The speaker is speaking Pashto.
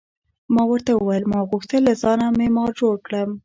ما ورته وویل: ما غوښتل له ځانه معمار جوړ کړم.